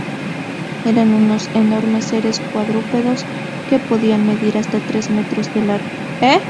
Eran unos enormes seres cuadrúpedos que podían medir hasta tres metros de largo.